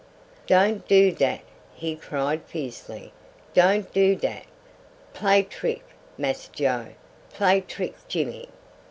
"Don't do dat," he cried fiercely. "Don't do dat. Play trick, Mass Joe. Play trick, Jimmy."